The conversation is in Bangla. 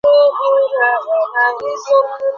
বারংবার বলেছি তোকে, ওর ওখানে ফিরে যাসনে।